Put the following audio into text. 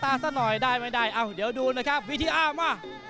อ้าวเดี๋ยวดูนะครับวิทยาล่ะมา